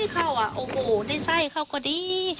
เข้าอว่ะโอ๋ดิไส้เขาก็ดี